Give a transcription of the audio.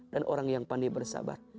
dan orang yang pandai bersabar